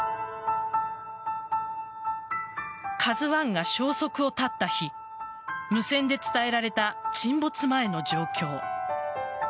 「ＫＡＺＵ１」が消息を絶った日無線で伝えられた沈没前の状況。